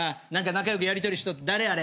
仲良くやりとりしとる誰あれ？